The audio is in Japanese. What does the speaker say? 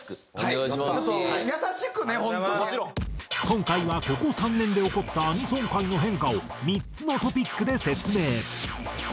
今回はここ３年で起こったアニソン界の変化を３つのトピックで説明。